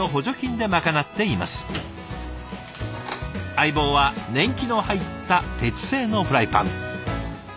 相棒は年季の入った鉄製のフライパン。